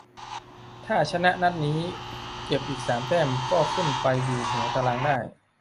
ถ้าชนะนัดนี้ เก็บอีกสามแต้ม ก็ขึ้นไปอยู่หัวตารางได้